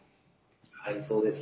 はいそうです。